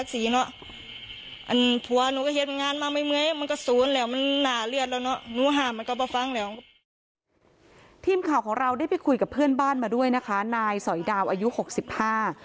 ทีมข่าวของเราได้ไปคุยกับเพื่อนบ้านมาด้วยนะคะนายสอยดาวอายุหกสิบห้า